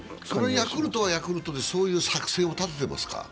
ヤクルトはヤクルトで、そういう作戦を立ててますか？